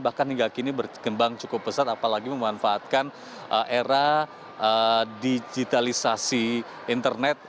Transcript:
bahkan hingga kini berkembang cukup pesat apalagi memanfaatkan era digitalisasi internet